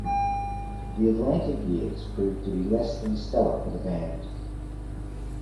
The Atlantic years proved to be less than stellar for the band.